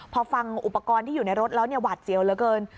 พอฟังอุปกรณ์ที่อยู่ในรถแล้วเนี่ยหวาดเสียวเหลือเกิน